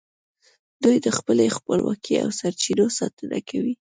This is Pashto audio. دوی د خپلې خپلواکۍ او سرچینو ساتنه کوي